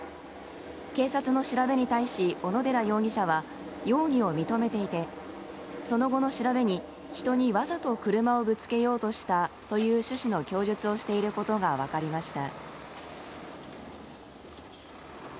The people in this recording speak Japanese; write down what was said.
警察の調べに対し小野寺容疑者は容疑を認めていてその後の調べに人にわざと車をぶつけようとしたという趣旨の供述をしていることが分かりました。